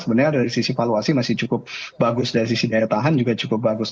sebenarnya dari sisi valuasi masih cukup bagus dari sisi daya tahan juga cukup bagus